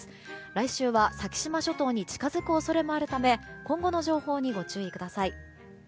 来週は先島諸島に近づく恐れもあるため今後の情報にご注意ください。